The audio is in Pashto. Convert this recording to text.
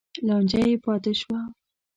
لانجه یې پاتې شوه.